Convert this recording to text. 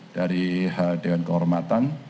dari hadewan kehormatan